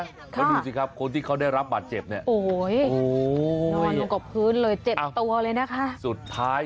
นี่ดูสิครับคนที่เค้าได้รับหมาดเจ็บนี่